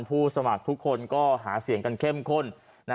ผู้สมัครทุกคนก็หาเสียงกันเข้มข้น